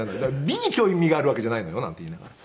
「美に興味があるわけじゃないのよ」なんて言いながら。